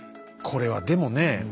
これはでもねえ